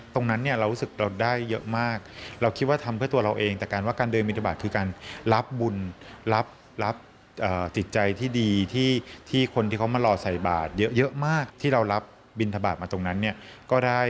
ตรงนั้นเรารู้สึกเราได้เยอะมาก